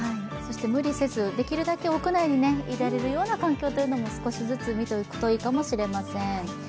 無理せずできるだけ屋内にいられる環境も少しずつ見ておくといいかもしれません。